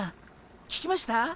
聞きました？